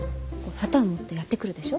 旗を持ってやって来るでしょ？